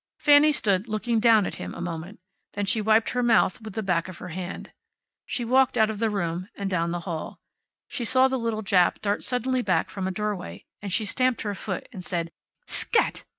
Fanny stood looking down at him a moment. Then she wiped her mouth with the back of her hand. She walked out of the room, and down the hall. She saw the little Jap dart suddenly back from a doorway, and she stamped her foot and said, "S s cat!"